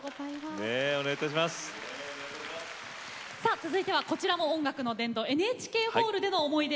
さあ続いてはこちらも音楽の殿堂ＮＨＫホールでの思い出